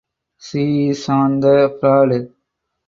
She is in on the fraud.